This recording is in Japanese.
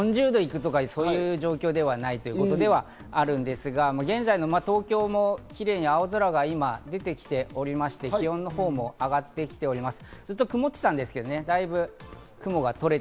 ４０度いくとかいう、そういう状況ではないということではあるんですが、現在の東京もキレイに青空が出てきておりまして、気温のほうも上がってきております。